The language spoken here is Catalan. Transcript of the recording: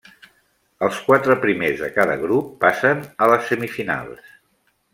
Els quatre primers de cada grup passen a les semifinals.